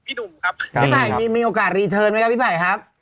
พี่ป่ายมีโอกาสละเดียวพี่ป่ายครับ